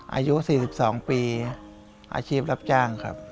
อายุ๔๒ปีอาชีพรับจ้างครับ